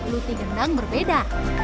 luti gendang berbeda